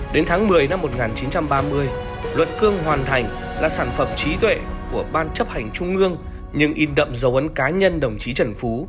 đến tháng một mươi năm một nghìn chín trăm ba mươi luận cương hoàn thành là sản phẩm trí tuệ của ban chấp hành trung ương nhưng in đậm dấu ấn cá nhân đồng chí trần phú